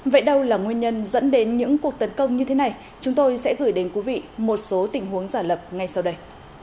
vậy đâu là nguyên nhân dẫn đến những cuộc tấn công như thế này chúng tôi sẽ gửi đến quý vị một số tình huống giả lập ngay sau đây